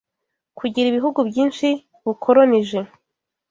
kugira ibihugu byinshi bukolonije